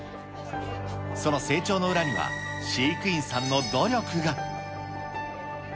その成長の裏には、飼育員さんの努力が。